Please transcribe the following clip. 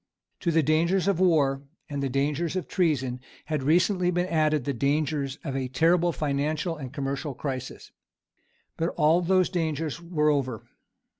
To the dangers of war and the dangers of treason had recently been added the dangers of a terrible financial and commercial crisis. But all those dangers were over.